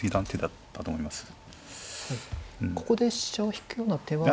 ここで飛車を引くような手は。